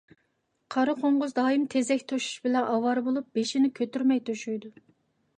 قارا قوڭغۇز دائىم تېزەك توشۇش بىلەن ئاۋارە بولۇپ، بېشىنى كۆتۈرمەي توشۇيدۇ.